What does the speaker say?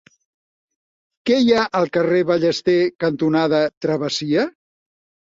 Què hi ha al carrer Ballester cantonada Travessia?